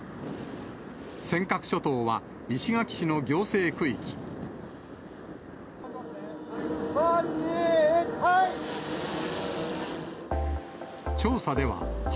尖閣諸島は、石垣市の行政区３、２、１、はい。